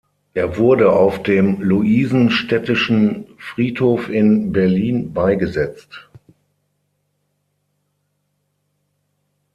Er wurde auf dem Luisenstädtischen Friedhof in Berlin beigesetzt.